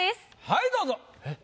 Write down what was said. はいどうぞ！えっ？